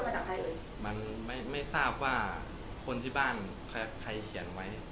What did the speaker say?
ฉันไม่ทราบว่าคนที่บ้านใครเขียนไว้